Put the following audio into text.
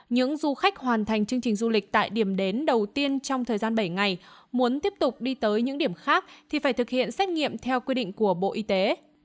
những du khách hoàn thành chương trình du lịch tại điểm đến đầu tiên trong thời gian bảy ngày muốn tiếp tục đi tới những điểm khác thì phải thực hiện xét nghiệm theo quy định của bộ y tế